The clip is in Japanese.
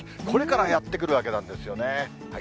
これからやって来るわけなんですよね。